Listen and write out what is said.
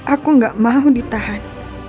aku gak mau ditahan